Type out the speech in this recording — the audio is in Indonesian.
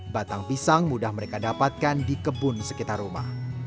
batang pisang mudah mereka dapatkan di kebun sekitar rumah